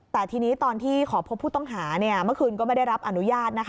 แต่ทีนี้ตอนที่ขอพบผู้ต้องหาเมื่อคืนก็ไม่ได้รับอนุญาต